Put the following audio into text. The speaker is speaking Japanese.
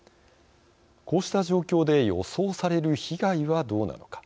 こうした状況で予想される被害はどうなのか。